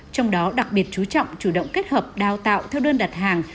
trong đó đặc biệt chú trọng chủ động kết hợp đào tạo theo đơn đặt hàng